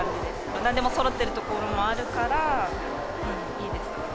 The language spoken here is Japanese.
なんでもそろってるところもあるから、いいですね。